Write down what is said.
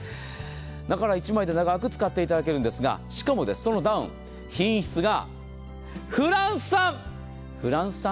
だから１枚で長く使っていただけるんですがしかもそのダウン品質がフランス産。